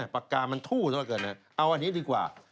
ปากกามันทู่ซะละเกินเอาอันนี้ดีกว่า